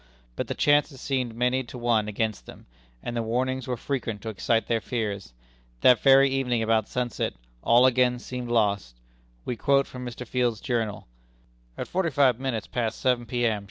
But the chances seemed many to one against them; and the warnings were frequent to excite their fears. That very evening, about sunset, all again seemed lost. We quote from Mr. Field's journal: "At forty five minutes past seven P.M.